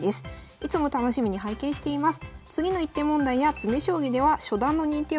「いつも楽しみに拝見しています」。